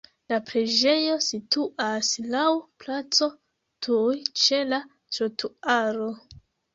La preĝejo situas laŭ placo tuj ĉe la trotuaro.